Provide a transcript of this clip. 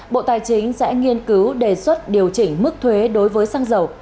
bộ tài chính sẽ nghiên cứu đề xuất điều chỉnh mức thuế đối với sang giàu